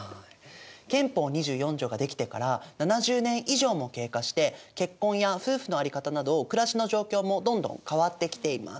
憲法２４条が出来てから７０年以上も経過して結婚や夫婦の在り方など暮らしの状況もどんどん変わってきています。